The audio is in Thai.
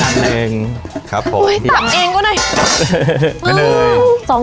ชาไทยด้วยอันหนึ่ง